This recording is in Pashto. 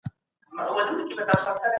برتري د انسان په رنګ او توکم کي نه ده.